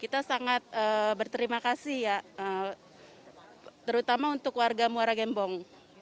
kita sangat berterima kasih ya terutama untuk warga muara gembong